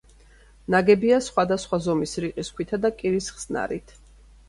ნაგებია სხვადასხვა ზომის რიყის ქვითა და კირის ხსნარით.